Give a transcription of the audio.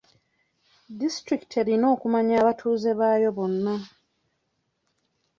Disitulikiti erina okumanya abatuuze baayo bonna.